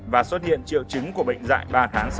và xuất hiện triệu chứng của bệnh dại ba tháng sáu